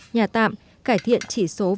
nhà tạm cải thiện chỉ số